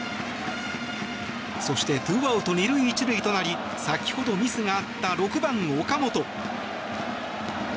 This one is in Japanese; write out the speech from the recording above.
そして、２アウト２塁１塁となり先ほどミスがあった６番、岡本。